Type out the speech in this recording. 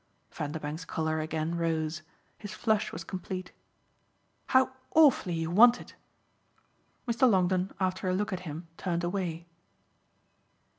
Vanderbank's colour again rose his flush was complete. "How awfully you want it!" Mr. Longdon, after a look at him, turned away.